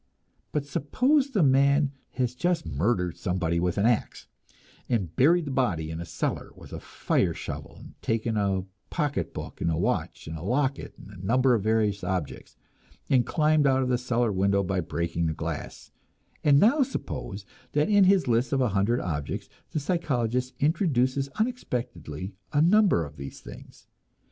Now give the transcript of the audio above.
But suppose the man has just murdered somebody with an axe, and buried the body in a cellar with a fire shovel, and taken a pocketbook, and a watch, and a locket, and a number of various objects, and climbed out of the cellar window by breaking the glass; and now suppose that in his list of a hundred objects the psychologist introduces unexpectedly a number of these things.